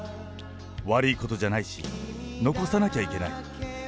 悪いことじゃないし、残さなきゃいけない。